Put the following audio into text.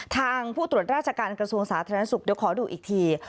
ผู้ตรวจราชการกระทรวงสาธารณสุขเดี๋ยวขอดูอีกที